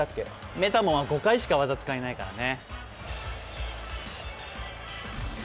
メタモンは５回しかわざ使えないからね。